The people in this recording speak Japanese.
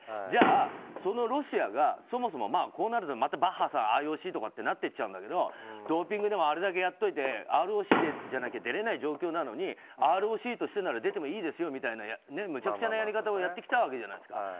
じゃあ、そのロシアがそもそもこうなるとまたバッハさん、ＩＯＣとなってきちゃうんだけどドーピングでもあれだけやっておいてＲＯＣじゃなければ出られない状況なのにＲＯＣとしてなら出ていいですよとかむちゃくちゃなやり方をやってきたわけじゃないですか。